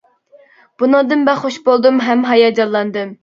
بۇنىڭدىن بەك خۇش بولدۇم ھەم ھاياجانلاندىم.